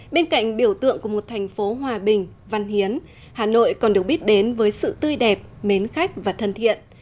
bên cạnh biểu tượng của một thành phố hòa bình văn hiến hà nội còn được biết đến với sự tươi đẹp mến khách và thân thiện